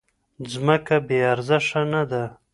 ځمکه بې ارزښته نه ده.